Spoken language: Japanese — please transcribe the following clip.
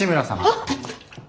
あっ！